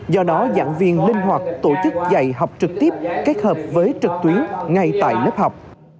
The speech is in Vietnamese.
do đó giảng viên linh hoạt tổ chức dạy học trực tiếp kết hợp với trực tuyến ngay tại lớp học